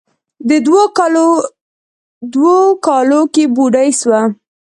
دوو کالو کې بوډۍ سوه.